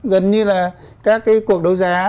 gần như là các cái cuộc đấu giá